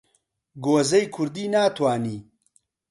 گۆزەی کوردی ناتوانی